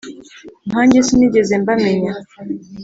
'nkanjye sinigeze mbamenya